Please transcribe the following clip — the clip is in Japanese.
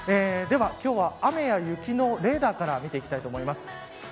では今日は、雨や雪のレーダーから見ていきたいと思います。